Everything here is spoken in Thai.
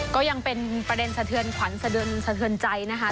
ก็ยังเป็นประเด็นสะเทือนขวัญสะเทือนใจนะคะ